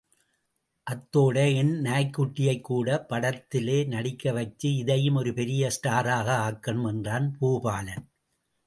அத்தோட என் நாய்க்குட்டியையுங் கூடப் படத்திலே நடிக்கவச்சு, இதையும் ஒரு பெரிய ஸ்டாராக ஆக்கனும்! என்றான் பூபாலன்.